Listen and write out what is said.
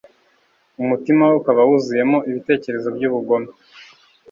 umutima we ukaba wuzuyemo ibitekerezo by'ubugome